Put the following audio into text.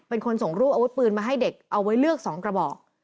เป็นคนส่งรูปอาวุธปืนมาให้เด็กเอาไว้เลือก๒กระบอก